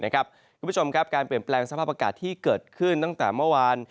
คุณผู้ชมครับการเปลี่ยนแปลงสภาพอากาศที่เกิดขึ้นตั้งแต่เมื่อวาน